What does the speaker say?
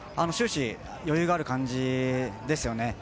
終始余裕がある感じですよね。